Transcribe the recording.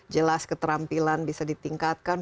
jelas keterampilan bisa ditingkatkan